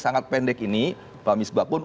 sangat pendek ini pak misbah pun